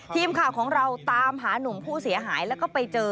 ทีมข่าวของเราตามหานุ่มผู้เสียหายแล้วก็ไปเจอ